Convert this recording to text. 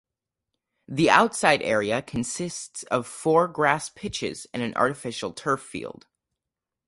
The outside area consists of four grass pitches and an artificial turf field.